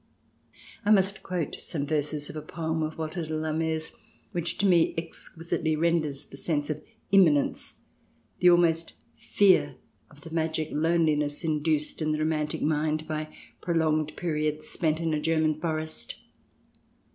I must quote some verses of a poem of Walter de la Mare's which, to me, exquisitely renders the sense of imminence, the almost fear of the magic loneliness induced in the romantic mind by prolonged periods spent in a German forest.